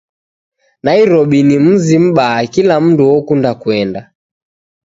Nairobi ni muzi mubaa kila mundu okunda kuenda